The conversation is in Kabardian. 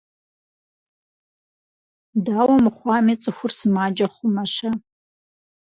Дауэ мыхъуами цӀыхур сымаджэ хъумэ-щэ?